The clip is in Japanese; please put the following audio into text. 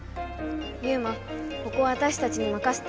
ユウマここはわたしたちにまかせて。